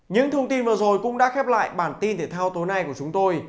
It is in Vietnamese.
những thông tin vừa rồi cũng đã khép lại bản tin thể thao tối nay của chúng tôi